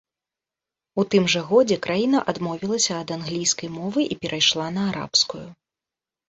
У тым жа годзе краіна адмовілася ад англійскай мовы і перайшла на арабскую.